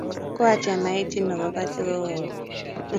Koatyem aityin kobate kokouit.